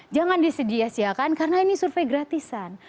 jangan disiasiakan karena ini survei gratisan